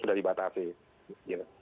sudah dibatasi gitu